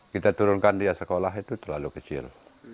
kita turunkan dia sekolah itu terlalu kecil